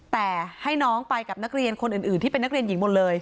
แต่ให้น้องไปกับนักเรียนคนอื่นที่เป็นนักเรียนหญิงหมดเลย